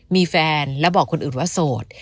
มีแฟนแล้วบอกคนอื่นว่าโสด